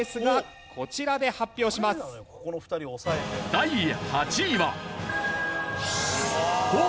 第８位は。